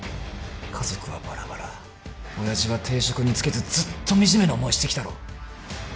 家族はバラバラ親父は定職に就けずずっと惨めな思いしてきたろ